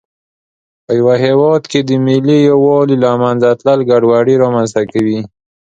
په یوه هېواد کې د ملي یووالي له منځه تلل ګډوډي رامنځته کوي.